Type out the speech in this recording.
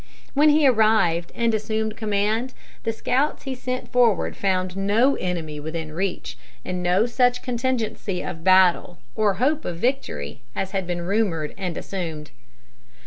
When he arrived and assumed command the scouts he sent forward found no enemy within reach, and no such contingency of battle or hope of victory as had been rumored and assumed.